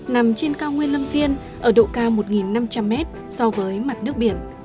nằm trên cao nguyên lâm viên ở độ cao một năm trăm linh mét so với mặt nước biển